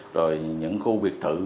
rồi những khu biệt thự